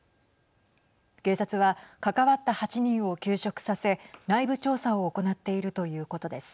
警察は関わった８人を休職させ内部調査を行っているということです。